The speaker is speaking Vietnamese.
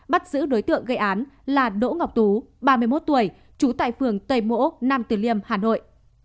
bắt giữ đối tượng gây án là đỗ ngọc tú ba mươi một tuổi trú tại phường tây mỗ nam từ liêm hà nội